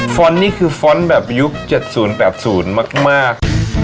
นี่คือฟ้อนต์แบบยุค๗๐๘๐มาก